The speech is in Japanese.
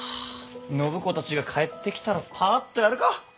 暢子たちが帰ってきたらパーッとやるか！